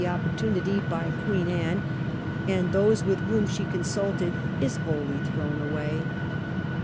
opportunity by Queen Anne and those with whom she consulted is wholly thrown away.